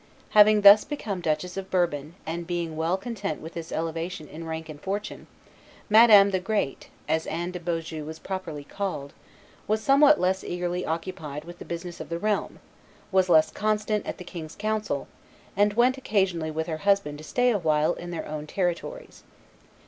Having thus become Duchess of Bourbon, and being well content with this elevation in rank and fortune, Madame the Great (as Anne de Beaujeu was popularly called) was somewhat less eagerly occupied with the business of the realm, was less constant at the king's council, and went occasionally with her husband to stay a while in their own territories.